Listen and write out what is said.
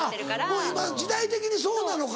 もう今時代的にそうなのか。